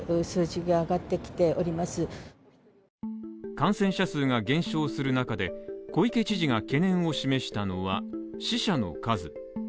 感染者数が減少する中で小池知事が懸念を示したのは死者の数。